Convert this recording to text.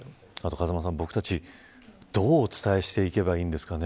風間さん、僕たちどうお伝えしていけばいいんですかね。